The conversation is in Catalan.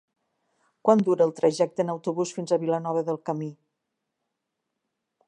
Quant dura el trajecte en autobús fins a Vilanova del Camí?